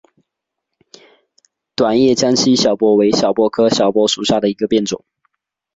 短叶江西小檗为小檗科小檗属下的一个变种。